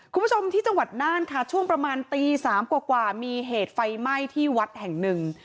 คุณผู้ชมที่จังหวัดน่านค่ะช่วงประมาณตีสามกว่ามีเหตุไฟไหม้ที่วัดแห่งหนึ่ง